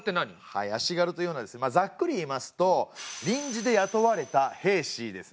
はい足軽というのはまあざっくり言いますと臨時で雇われた兵士ですね。